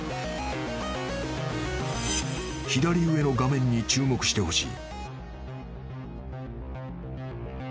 ［左上の画面に注目してほしい］